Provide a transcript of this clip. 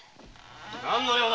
何の用だ？